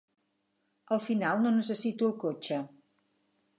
Al final no necessito el cotxe.